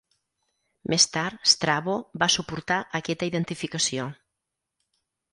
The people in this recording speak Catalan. Més tard, Strabo va suportar aquesta identificació.